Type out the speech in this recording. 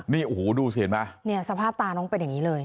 นี่โอ้โหดูสิเห็นไหมเนี่ยสภาพตาน้องเป็นอย่างนี้เลย